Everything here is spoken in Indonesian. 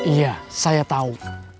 iya saya tahu